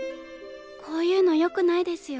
こういうのよくないですよ。